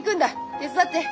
手伝って。